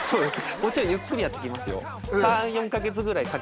もちろんゆっくりやっていきますよああ